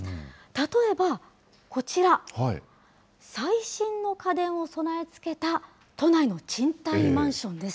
例えばこちら、最新の家電を備え付けた都内の賃貸マンションです。